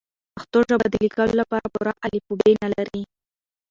پښتو ژبه د لیکلو لپاره پوره الفبې نلري.